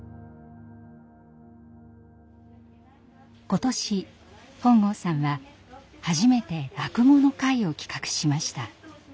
今年本郷さんは初めて落語の会を企画しました。